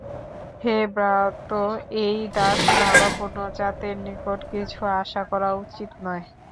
হে ভ্রাতঃ, এই দাসভাবাপন্ন জাতের নিকট কিছু আশা করা উচিত নয়।